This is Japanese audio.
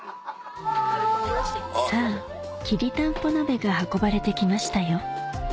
さぁきりたんぽ鍋が運ばれてきましたよ